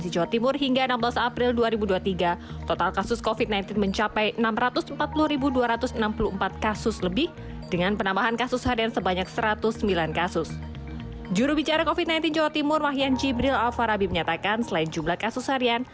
jurubicara covid sembilan belas jawa timur